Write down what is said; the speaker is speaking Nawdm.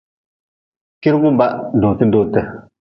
Kirgu ba dote dote.